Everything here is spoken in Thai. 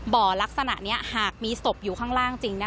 บ่อลักษณะนี้หากมีศพอยู่ข้างล่างจริง